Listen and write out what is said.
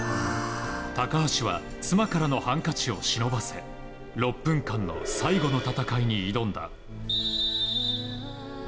高橋は妻からのハンカチを忍ばせ６分間の最後の戦いに挑んだ。